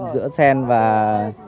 giữa sen và